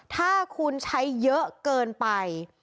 ถ้าคุณใช้เยอะเกินไป